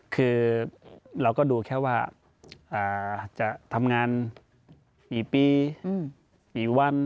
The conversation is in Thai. คือเราก็ดูแค่ว่าจะทำงานกี่ปีกี่วัน